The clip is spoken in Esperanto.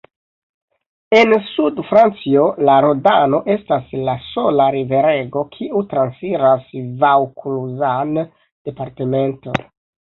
En sudfrancio la Rodano estas la sola riverego kiu transiras vaŭkluzan departemento.